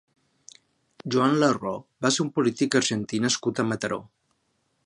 Joan Larreu va ser un polític argentí nascut a Mataró.